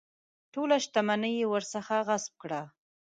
ټوله شته مني یې ورڅخه غصب کړه.